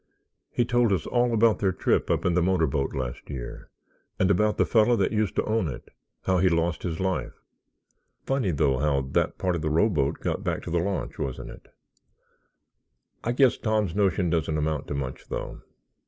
He told us all about their trip up in the motor boat last year and about the fellow that used to own it—how he lost his life. Funny though, how that part of the rowboat got back to the launch, wasn't it? I guess Tom's notion doesn't amount to much, though.